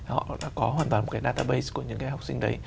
họ đã có hoàn toàn một cái database của những cái học sinh đấy